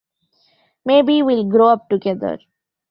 Maybe we'll grow up together.